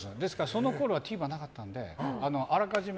そのころはＴＶｅｒなかったのであらかじめ